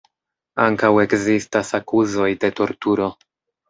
Ankaŭ ekzistas akuzoj de torturo.